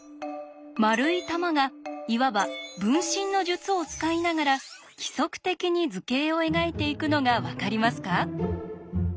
丸い玉がいわば「分身の術」を使いながら規則的に図形を描いていくのが分かりますか？